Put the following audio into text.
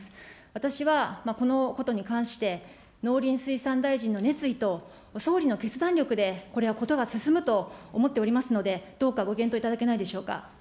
私はこのことに関して、農林水産大臣の熱意と、総理の決断力でこれは事が進むと思っておりますので、どうかご検討いただけないでしょうか。